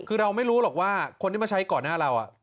คือเราไม่รู้หรอกว่าคนที่มาใช้ก่อนหน้าเรา